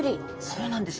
そうなんです。